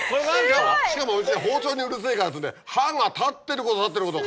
しかも包丁にうるせぇからっつうんで刃が立ってること立ってること！